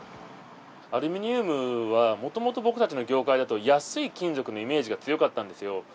アルミニウムは、もともと僕たちの業界だと、安い金属のイメージが強かったんですよ。